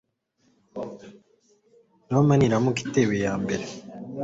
roma niramuka itewe iyambere